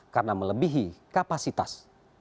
karena melebihi kapasitas